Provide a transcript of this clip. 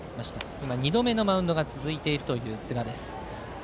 今、２度目のマウンドが続いている寿賀です。